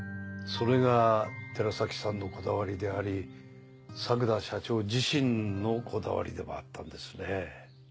それが寺崎さんのこだわりであり作田社長自身のこだわりでもあったんですね。